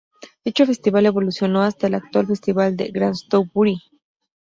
Dicho festival evolucionó hasta el actual Festival de Glastonbury.